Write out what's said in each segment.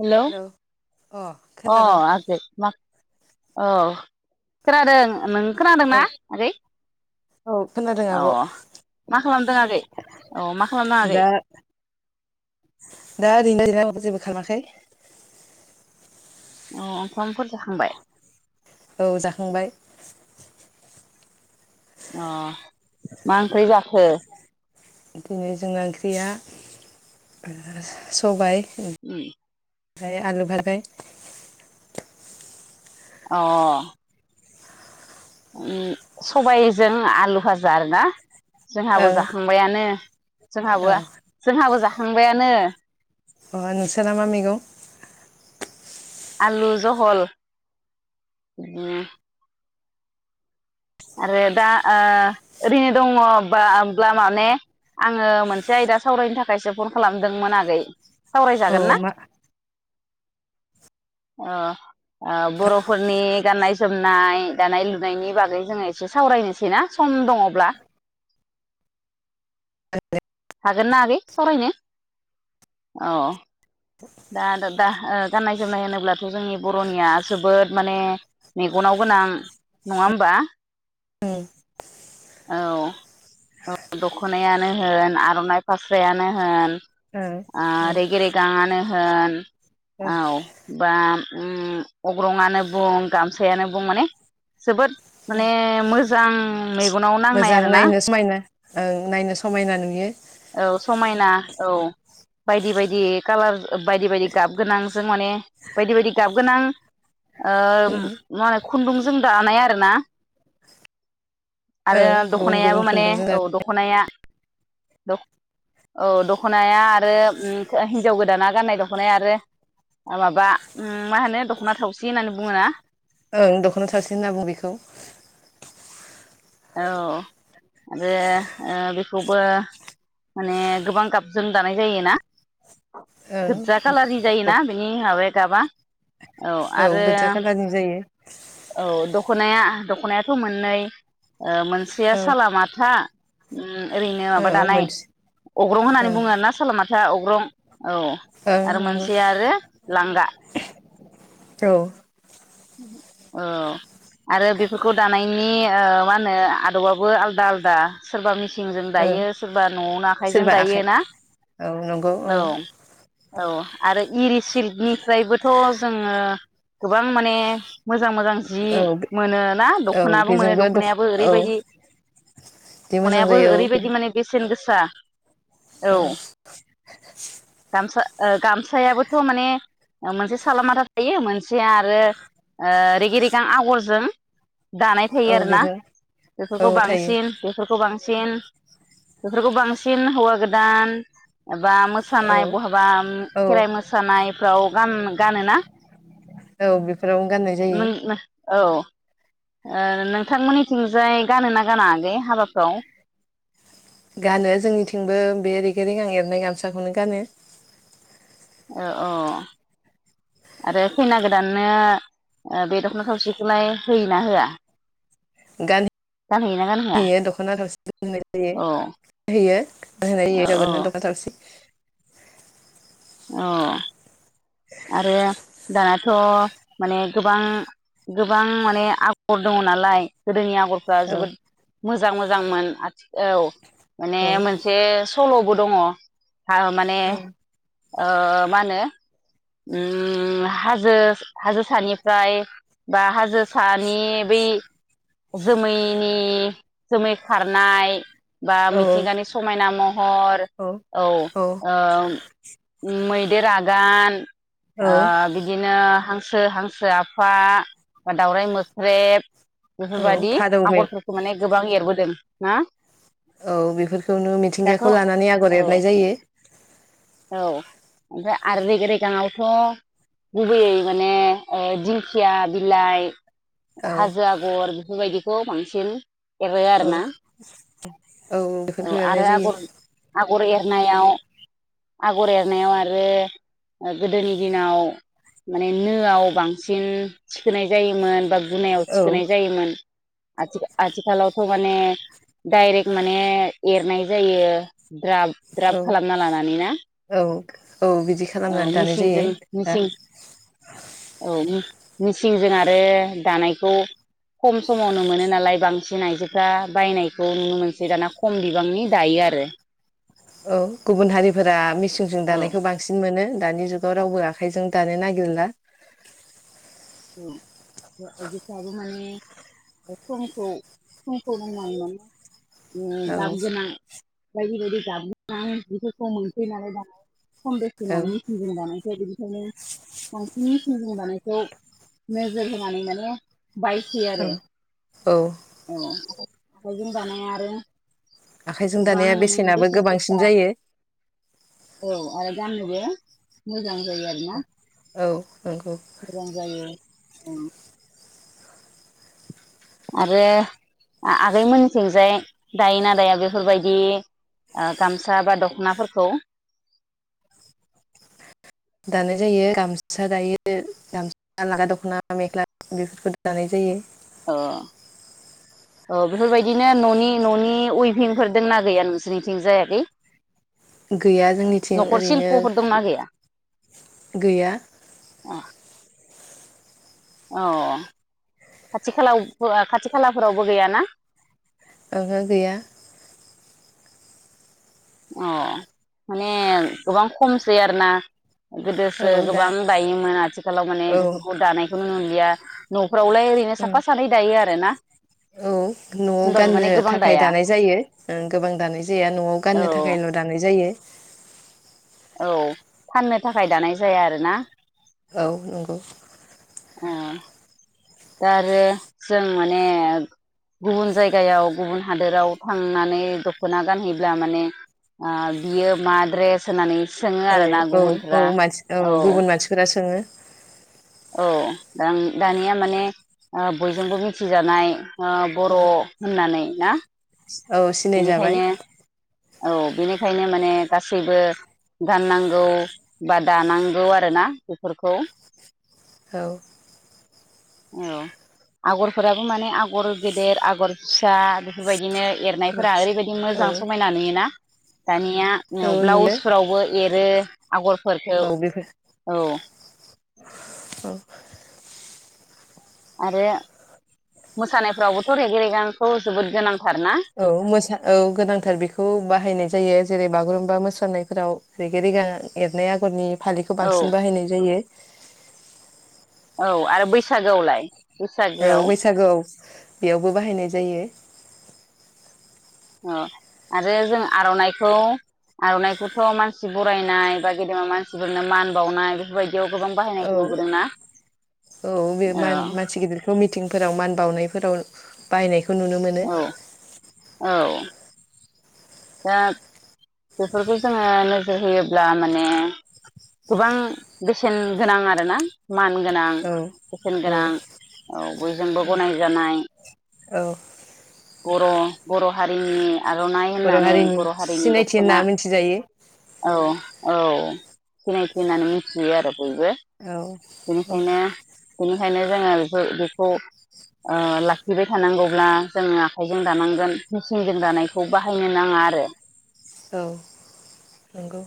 हेल' अ अ औ खोनादों मा औ खोनादों नों औ खोनादोंना आगै औ खोनादों अ आब' मा खालामदों आगै अ मा खालामदों आगै दा दा ओरैनो ओरैबो जेबो खालामाखै अ ओंखामफोर जाखांबाय औ जाखांबाय अ मा ओंख्रि जाखो बिदिनो जोंना ओंख्रिया सबाय [inaudible] फ्राय आलु भारबायाय अ सबायजों आलु फाजा आरोना जोंहाबो ओं जाखांबायानो औ जोंहाबो जोंहाबो जा थांबायानो अ नोंसोरा मा मैगं आलु जहल उम आरो दा ओ ओरैनो दङ होमब्ला माने आङो मोनसे आयदा सावरायनो थाखायसो फन खालामदोंमोन आगै औ सावरायजागोन ना मा ओ ओ बर'फोरनि गाननाय जोमनाय दानाय लुनायनि बागै जों एसे सावरायनिसै आरोना सम दङ'ब्ला [unintelligible] हागोन ना आगै सावरायनो अ दा दा गाननाय जोमनाय होनोब्लाथ' जोंनि बर'निया जोबोद माने मेगनाव गोनां नङा होमबा औ द दख'नायानो होन आर'नाइ फास्रायानो होन ओं आ रेगे रे गोजाङानो होन औ बा उम अग्रङानो बुं गामसायानो बुं माने जोबोद माने मोजाङै मोजां नायनो समायना ओं नायनो समायना नुयो औ समायना औ बायदि बायदि कालार बायदि बायदि गाबगोनां जों माने बायदि बायदि गाब गोनां ओ मा होनो खुन्दुंजों दानाय आरोना आरो ओं गुबुन गुबुन दख'नायाबो माने खुन्दुंजों औ दख'नाया औ दख'नाया आरो ओ हिनजाव गोदाना गाननाय दख'नाया आरो माबा उम मा होनो दख'ना थावसि होननानै बुङो ना ओं दख'ना थावसि होनना बुङो बेखौ औ आरो ओ बेखौबो माने गोबां गाबजों दानाय जायोना ओं गोजा खालारनि जायोना बेनि माबाया गाबा औ गोजा खालारनि जायो औ दख'नाया दख'नायाथ' मोननै ओ मोनसेया औ सालामाथा [inaudible] ओरैनो माबा औ दानाय मोनसे अग्रं होननानै ओं बुङोना साला माथा अग्र ग्रं औ ओं आरो नंगौ मोनसे आरो लांगा औ औ आरो बेफोरखौ ओ दानायनि मा होनो आदबाबो आलादा आलादा सोरबा मेसिंजों ओं दायो सोरबा न'आवनो आखाइजों सोरबा दायो आखाइ ना औ नंगौ औ औ आरो इरि सिल्कनिफ्रायबोथ' जोङो गोबां माने मोजां मोजां जि औ मोनोना औ दख'नायाबो मोनो बेजोंबो दख दख'नायाबो औ ओरैबायदि बिदि मोजां दख'नायाबो जायो औ बे ओरैबायदि माने बेसेन गोसा आतसा औ गामसा ओ गामसायाबोथ' माने मोनसे साला माथा थायो मोनसेया आरो ओ रिगि रिगां आगरजों दानाय थायो औ आरोना बेजों औ बेफोरखौ थायो बांसिन बेफोरखौ बांसिन बांसिन बेफोरखौ बांसिन हौवा गोदान ओब बा औ मोसानाय बहाबा औ खेराइ मोसानाय फ्राव गान गानोना औ बेफोरावनो गाननाय जायो औ ओ नोंथां मोननिथिंजाय गानो ना गाना आगै हाबाफ्राव गानो जोंनिथिंबो बे रिगि रिगां एरनाय गामसाखौनो गानो ओ औ आरो खैना गोदाननो ओ बे दख'ना थावसिखौलाय होयोना होआ गान गानहोयोना गानहोआ होयो दख'ना थावसि होनाय जायो औ होयो होनाय औ जायो औ दख'ना थावसि अ आरो दानाथ' माने गोबां गोबां माने आगर दङ नालाय गोदोनियाव आगरफ्रा औ जोबोद मोज मोजां मोजांमोन आथि औ माने औ मोनसे स सल'बो दङ आ माने औ ओ मा होनो ओम हाजो हाजो सानिफ्राय बा हाजो सान नि बै जोमैनि जोमै खारनाय बा औ मिथिंगानि समायना महर औ ओ मैदेर आगान औ आ बिदिनो ओ हांसो हांसो आफा बा दावउराय मोख्रेब बेफोर औ बादि फारौ मे आगरफोरखौ माने गोबां एरबोदों ना औ बेफोरखौनो दाथ' औ मिथिंगाखौ लानानै आगर एरनाय जायो औ ओमफ्राय आरो रेग रेगांआवथ' गुबैयै माने दिंखिया बिलाइ औ हाजो आगर बेफोरबायदि खौ बांसिन एरो ओ आरोना औ औ बेफोरखौ आरो एरनाय जायो आगर आगर एरनायाव आगर एरनायाव आरो ओ गोदोनि दिनाव माने नोआव बांसिन थिखोनाय जायोमोन बा जुनायाव औ थिखोनाय जायोमोन आथिखालावथ' माने डाइरेक्ट माने एरनाय जायो ग्राब द्राब औ खालामना लानानै ना औ औ बिदि औ खालामनानै दानाय जायो मिसिंजों ओ मिेसिंजों आरो दानायखौ खम समावनो मोनो नालाय बांसिन आइजोफ्रा बायनायखौ नुनो मोनसै दाना खम बिबांनि दायो आरो औ गुबुन हारि फोरा मिसिंजों औ दानायखौ बांसिन मोनो दानि जुगाव रावबो आखाइजों दानो नागिरला औ आइजोफ्राबो माने समखौ समखौ बुंनांगोन औ दाम गोनां [unintelligible] खम औ बेसेनावनो होनानै मिथिनगोन दानायफ्राय बिनिखायनो बांसिन [unintelligible] नोजोर होनानै माने बायसै औ आरो औ औ आखाइजों दानाय आरो आखाइजों गोबां दानाया माने बेसेनाबो बेसेन गोसा गोबांसिन जायो [unintelligible] जां आरो ना औ नंगौ मोजां जायो उम आरो आ-आगैमोनथिंजाय दायो ना दाया बेफोरबायदि आ गामसा बा दखनाफोरखौ दानाय जायो गामसा दायो [inaudible] गामसा [inaudible] लागा [inaudible] दख'ना [inaudible] मेख्ला बेफोरखौ दानाय जायो अ औ बेफोरबायदिनो न'नि न'नि उइभिंफोर दंना गैया नोंसोरनिथिंजाय आगै गैया जोंनिथिं न'खर ओरैनो सिल्प'फोर दंना गैया गैया अ खाथि खाला खाथि खालाफोरावबो गैयाना ओहो गैया अ माने गोबां खमसै आरो ना औ गोदोसो दा गोबां दायोमोन आथिखालाव माने औ बेफोरखौ दानायखौ नुनो मोन या न' फोरफ्रावलाय ओरैनो उम साफा सानै दायो आरो ना औ न'आव होनबाबो गाननो माने गोबां थाखाय दाया दानाय जायो ओं गोबां दानाय जाया न'आव औ गाननो थाखायल' दानाय जायो [unintelligible] औ फाननो थाखाय दानाय जाया आरो ना औ नंगौ ओ दा आरो जों माने गुबुन जायगायाव गुबुन हादोराव थांनानै दख'ना गानहैब्ला माने ओ बियो मा ड्रेस होनानै औ औ औ मानसि औ गुबुन मानसिफोरा सोङो औ दा दानिया माने बयजोंबो मिथिजानाय ओ बर' औ होननानै ना औ सिनाय जाबाय बेनिखायनो औ बेनिखायनो माने गासैबो गाननांगौ बा दानांगौ आरोना बेफोरखौ औ औ आगरफोराबो माने आगर गेदेर आगर फिसा बेफोरबायदिनो एरनायफोरा ओरैबायदि मोजां समायना नुयोना दानि या औ नुयो ब्लाउसफोरावबो एरो आगरफोरखौ औ बेफोर औ औ आरो मोसानायफ्रावबोथ' रेगे रेगांखौ जोबोद गोनां औ मोसा औ गोनांथार बेखौ बाहायनाय जायो जेरै बागुरुम्बा मोसौ सानायफोराव रेगे रेगां एरनाय आगरनि फालिखौ औ बांसिन बाहायनाय जायो औ आरो बैसागोआवलाय औ बैसागोआव बैसागोआव बेयावबो बाहायनाय जायो आरो जों आर'नाइखौ आर'नाइखौथ' मानसि बरायनाय बा गेदेमा मानसिफोरनो मान बावनाय बेफोरबायदि औ औ बे औ मानसि गिदिरखौ मिथिं फोराव मान बावनायफोराव बायनायखौ खौ नुनो मोनो औ औ दा बेफोरखौ जोङो नोजोर होयोब्ला माने गोबां बेसेन गोनां आरोना मान गोनां औ बोसेन गोनां औ औ बयजोंबो गनायजानाय औ बर' बर' हारिनि आर'ननाइ बर' हारिनि सिनायथि होनना मिथिजायो औ औ सिनायथि होननानै मिथियो आरो औ औ खायनो बेनिखायनो जोङो बेखो बेखौ ओ लाखिबाय थानांगौब्ला जोङो आखाइजों दानांगोन मेचिनजों दानायखौ बाहायनो नाङा आरो औ नंगौ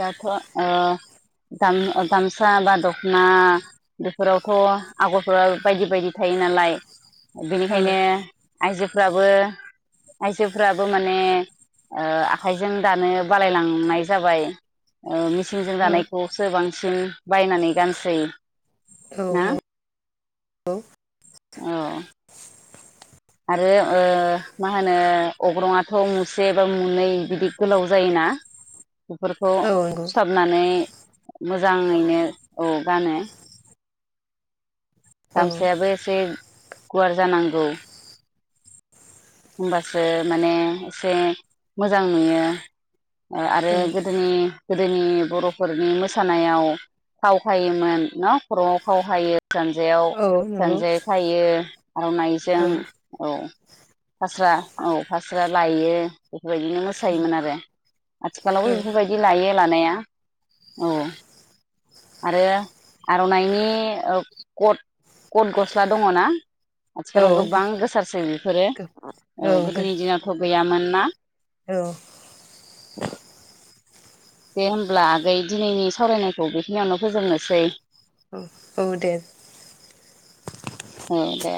दाथ' ओ गाम ओ गामसा बा दख'ना बेफोरावथ' आगरफोरा बायदि बायदि थायो नालाय औ बेनिखायनो आइजोफ्राबो आइजोफ्राबो माने ओ आखाइजों दानो बालायलांनाय जाबाय ओ मिचिंजों औ दानायखौसो बांसिन बायनानै गानसै औ ना नंगौ औ आरो ओ मा होनो अग्रंआथ' मुसे बा मुनै बिदि गोलाव जायोना बेफोरखौ औ नंगौ सुथाबनानै मोजाङैनो औ गानो औ गामसायाबो एसे गुवार जानांगौ होमबासो माने एसे मोजां नुयो ओ आरो औ गोदोनि गोदोनि बर'फोरनि मोसानायाव खाव खायोमोन न' खर'आव खाव खायो जानजायाव औ नंगौ औ जानजाय खायो आर'नाइजों औ फास्रा औ फास्रा लायो बेफोरबायदिनो मोसायोमोन आरो आथिखालावबो बेफोरबायदि लायो लानाया औ आरो आर'नाइनि ओ कट कट गस्ला दङना आथिखालाव गोबां गोसारसै बिफोरो औ गोदोनि दिनावथ' गैयामोन ना दे होमब्ला आगै दिनैनि सावरायनायखौ बेखिनियावनो फोजोबनोसै औ औ दे औ दे